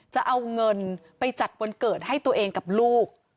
จะเอาเงินไปจัดวันเกิดให้ตัวเองกับลูก